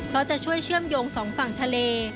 เพราะจะช่วยเชื่อมโยงสองฝั่งทะเล